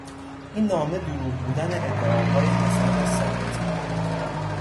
این نامه دروغ بودن ادعاهای حسن را ثابت میکند.